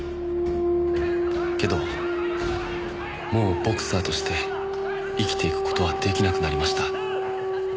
「けどもうボクサーとして生きていくことは出来なくなりました」